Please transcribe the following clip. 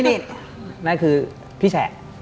นั่นคือพี่แฉะ